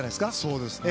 そうですね。